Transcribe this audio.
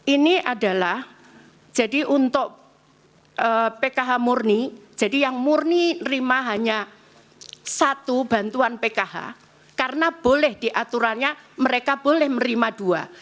ini adalah jadi untuk pkh murni jadi yang murni terima hanya satu bantuan pkh karena boleh diaturannya mereka boleh menerima dua